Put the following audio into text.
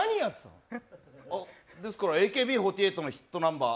ですからＡＫＢ４８のヒットナンバー